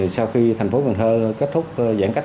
sau khi thành phố cần thơ kết thúc giãn cách